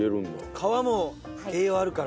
皮も栄養あるから。